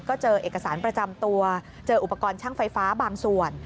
ก็เจอเอกสารประจำตัวเจออุปกรณ์ช่างไฟฟ้าบางส่วน